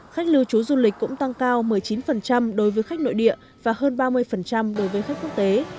khách lưu trú du lịch cũng tăng cao một mươi chín đối với khách nội địa và hơn ba mươi đối với khách quốc tế